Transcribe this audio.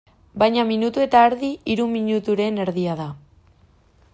Baina minutu eta erdi, hiru minuturen erdia da.